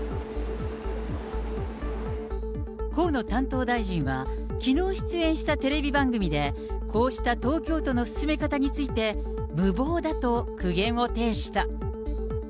河野担当大臣は、きのう出演したテレビ番組で、こうした東京都の進め方について、無謀だと苦言を呈した。